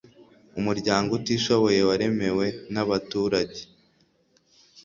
umuryango utishoboye waremewe na abaturage